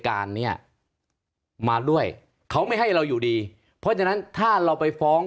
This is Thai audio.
การเนี้ยมาด้วยเขาไม่ให้เราอยู่ดีเพราะฉะนั้นถ้าเราไปฟ้อง